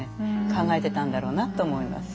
考えてたんだろうなと思います。